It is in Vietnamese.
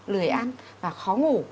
lười ăn khó ngủ